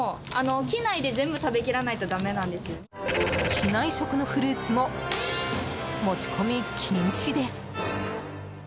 機内食のフルーツも持ち込み禁止です。